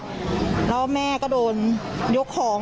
แล้วแม่ก็โดน